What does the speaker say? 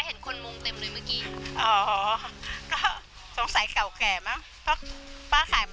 เห็นคนมุมเต็มเลยเมื่อกี้อ๋อก็สงสัยเก่าแก่มากเพราะป้าขายมา